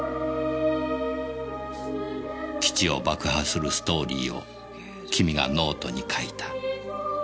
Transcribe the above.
基地を爆破するストーリーを君がノートに書いた。